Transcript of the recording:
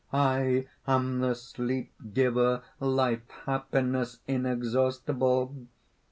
"I am the sleep giver, life, happiness inexhaustible!"